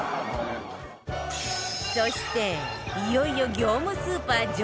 そしていよいよ業務スーパー